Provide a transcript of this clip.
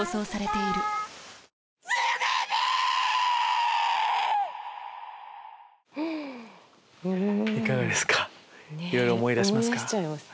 いろいろ思い出しますか？